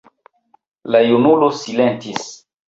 La junulo silentis.